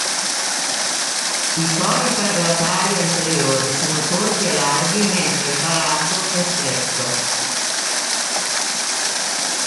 I fori palatali anteriori sono corti e larghi, mentre il palato è stretto.